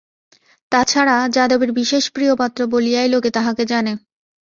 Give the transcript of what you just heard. তা ছাড়া, যাদবের বিশেষ প্রিয়পাত্র বলিয়াই লোকে তাহাকে জানে।